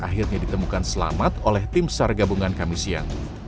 akhirnya ditemukan selamat oleh tim sargabungan kamisian